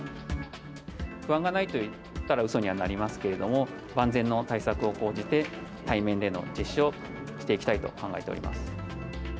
不安がないといったらうそにはなりますけれども、万全の対策を講じて、対面での実施をしていきたいと考えております。